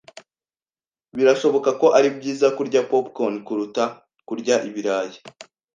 Birashoboka ko ari byiza kurya popcorn kuruta kurya ibirayi.